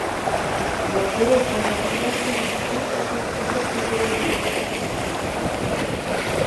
Los "Derechos de obligaciones y contratos", es el título del Libro Tercero del Código.